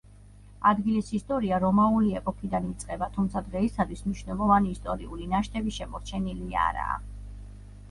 ადგილის ისტორია რომაული ეპოქიდან იწყება, თუმცა დღეისათვის მნიშვნელოვანი ისტორიული ნაშთები შემორჩენილი არაა.